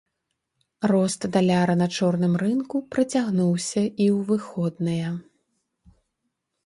Рост даляра на чорным рынку працягнуўся і ў выходныя.